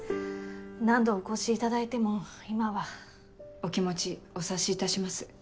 何度お越しいただいても今は。お気持ちお察しいたします。